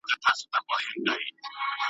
په وطن کي نه مکتب نه مدرسه وي !.